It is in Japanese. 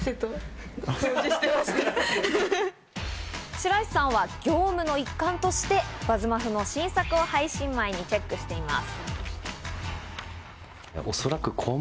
白石さんは業務の一環として『ＢＵＺＺＭＡＦＦ』の新作を配信前にチェックしています。